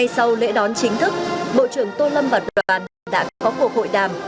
sau lễ đón chính thức bộ trưởng tô lâm và đoàn đã có cuộc hội đàm